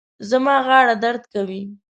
زما غاړه درد کوي